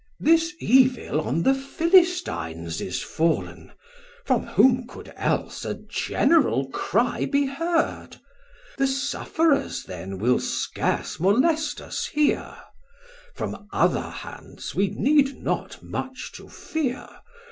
This evil on the Philistines is fall'n From whom could else a general cry be heard? The sufferers then will scarce molest us here, From other hands we need not much to fear.